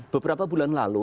beberapa bulan lalu